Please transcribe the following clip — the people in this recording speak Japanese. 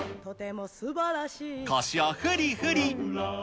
腰をふりふり。